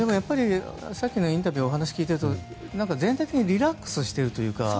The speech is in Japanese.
さっきのインタビューの話を聞いていると全体的にリラックスしているというか。